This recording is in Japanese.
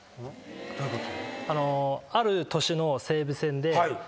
どういうこと？